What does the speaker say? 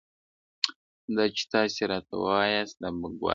دا چي تاسي راته وایاست دا بکواس دی،